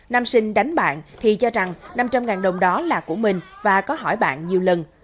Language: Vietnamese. nam sinh đánh bạn thì cho rằng năm trăm linh đồng đó là của mình và có hỏi bạn nhiều lần